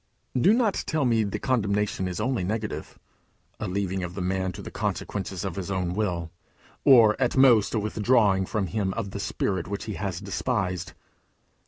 Do not tell me the condemnation is only negative a leaving of the man to the consequences of his own will, or at most a withdrawing from him of the Spirit which he has despised.